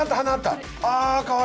あかわいい！